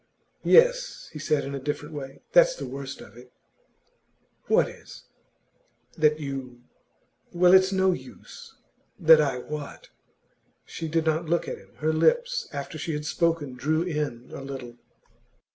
'Yes,' he said, in a different way, 'that's the worst of it.' 'What is?' 'That you well, it's no use.' 'That I what?' She did not look at him; her lips, after she had spoken, drew in a little.